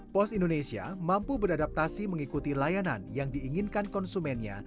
pos indonesia mampu beradaptasi mengikuti layanan yang diinginkan konsumennya